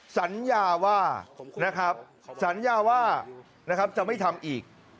สัญญาว่าจะไม่ทำอีก